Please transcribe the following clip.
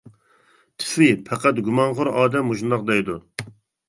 تۈفى پەقەت گۇمانخور ئادەم مۇشۇنداق دەيدۇ.